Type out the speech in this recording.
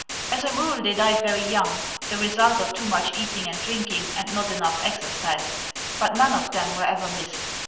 As a rule they died very young, the result of too much eatihg and drinking, and not enough exercise ; but none of them were ever missed.